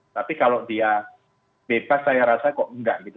tapi kalau dia bebas saya rasa kok enggak gitu